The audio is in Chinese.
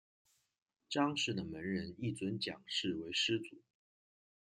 章氏的门人亦尊蒋氏为师祖。